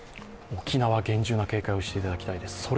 沖縄、厳重な警戒をしていただきたいです。